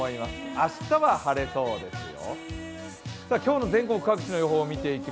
明日は晴れそうですよ。